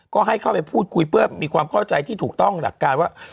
ก็ให้เข้าไปพูดคุยเพื่อมีความเข้าใจที่ถูกต้องหลักการว่า